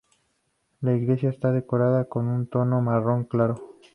La iglesia está decorada con un tono marrón claro.